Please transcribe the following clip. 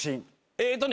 えっとね